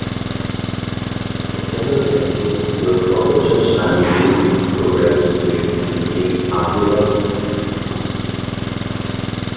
It generally indicates a poor prognosis, and usually progresses to complete apnea.